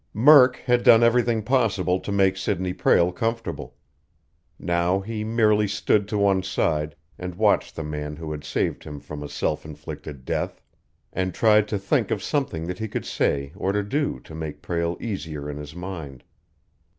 Murk had done everything possible to make Sidney Prale comfortable. Now he merely stood to one side and watched the man who had saved him from a self inflicted death, and tried to think of something that he could say or do to make Prale easier in his mind.